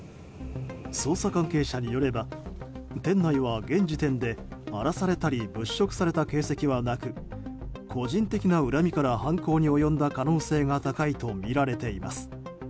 捜査関係者によれば店内は現時点で荒らされたり物色された形跡はなく個人的な恨みから犯行に及んだ可能性が高いとみられています。